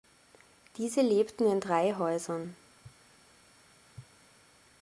Diese lebten in drei Häusern.